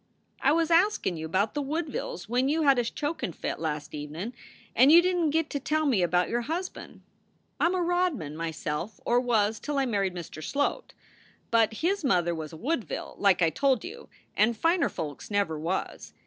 "I was askin you about the Woodvilles when you had a chokin fit last evenin , and you didn t git to tell me about your husband. I m a Rodman, myself or was till I mar ried Mr. Sloat. But his mother was a Woodville like I told you, and finer folks never was.